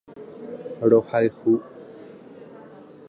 Rohayhu.